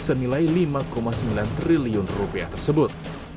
senilai lima sembilan triliun rupiah tersebut